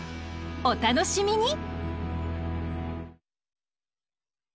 お楽しみに！